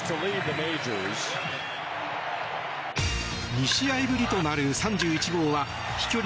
２試合ぶりとなる３１号は飛距離